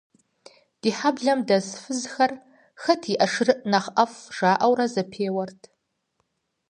Ди хьэблэм дэс фызхэр, «хэт и ӏэшырыӏыр нэхъ ӏэфӏ» жаӏэурэ зэпеуэрт.